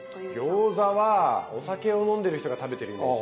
餃子はお酒を飲んでる人が食べてるイメージ。